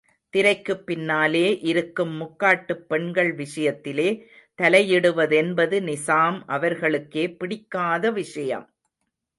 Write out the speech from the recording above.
திரைக்குப் பின்னாலே இருக்கும் முக்காட்டுப் பெண்கள் விஷயத்திலே தலையிடுவதென்பது நிசாம் அவர்களுக்கே பிடிக்காத விஷயம்!